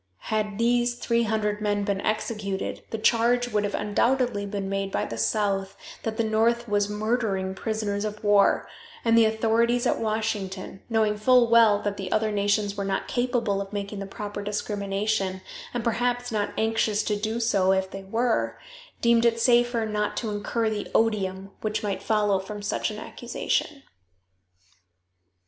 Had these three hundred men been executed, the charge would have undoubtedly been made by the South, that the North was murdering prisoners of war, and the authorities at Washington, knowing full well that the other nations were not capable of making the proper discrimination, and perhaps not anxious to do so if they were, deemed it safer not to incur the odium which might follow from such an accusation.